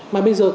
mà bây giờ